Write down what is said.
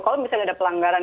kalau misalnya ada pelanggaran